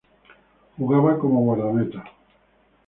Jugaba como guardameta.